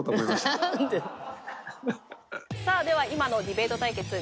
さあでは今のディベート対決